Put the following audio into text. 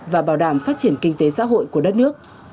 và bảo đảm phát triển kinh tế xã hội của đất nước